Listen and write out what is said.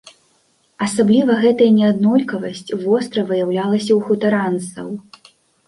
Асабліва гэтая неаднолькавасць востра выяўлялася ў хутаранцаў.